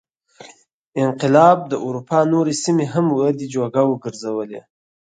انقلاب د اروپا نورې سیمې هم ودې جوګه وګرځولې.